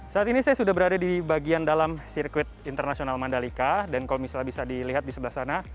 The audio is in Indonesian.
saat ini saya sudah berada di bagian dalam sirkuit internasional mandalika dan kalau misalnya bisa dilihat di sebelah sana